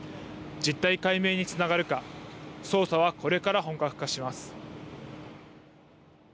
実態解明につながるか、捜査はこれから本格化します。